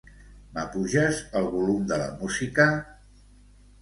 M'apuges el volum de la música?